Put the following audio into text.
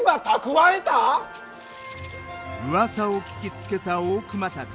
うわさを聞きつけた大隈たち。